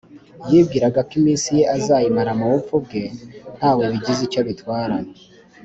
\ yibwiraga ko iminsi ye azayimara mu bupfu bwe ntawe bigize icyo bitwara